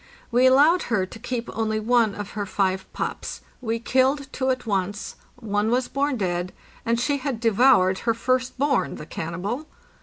We allowed her to keep only one of her five pups; we killed two at once, one was born dead, and she had devoured her first born, the cannibal